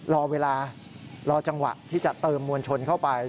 รอเวลารอจังหวะที่จะเติมมวลชนเข้าไป